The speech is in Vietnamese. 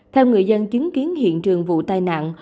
theo người dân chứng kiến hiện trường vụ tai nạn